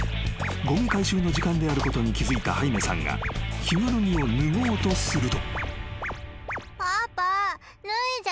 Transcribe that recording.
［ごみ回収の時間であることに気付いたハイメさんが着ぐるみを脱ごうとすると］